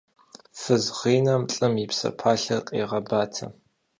Фыз гъринэм лӀым и псэпалъэр къегъэбатэ.